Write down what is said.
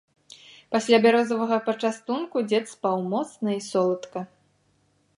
Пасля бярозавага пачастунку дзед спаў моцна і соладка.